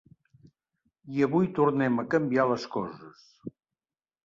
I avui tornem a canviar les coses.